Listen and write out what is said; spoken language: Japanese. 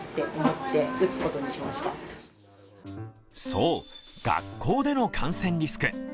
そう、学校での感染リスク。